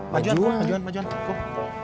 majuan majuan majuan majuan kum